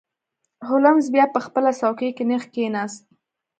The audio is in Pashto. هولمز بیا په خپله څوکۍ کې نیغ کښیناست.